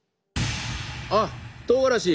あっとうがらし！